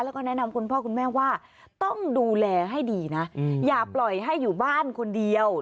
แล้วก็แนะนำคุณพ่อคุณแม่ว่าต้องดูแลให้ดีนะอย่าปล่อยให้อยู่บ้านคนเดียว